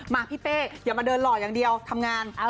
พี่เป้อย่ามาเดินหล่ออย่างเดียวทำงาน